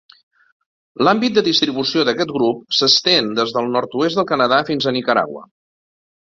L'àmbit de distribució d'aquest grup s'estén des del nord-oest del Canadà fins a Nicaragua.